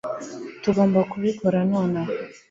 ntugomba kubikora nonaha